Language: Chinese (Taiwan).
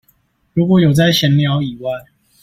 如果有在閒聊以外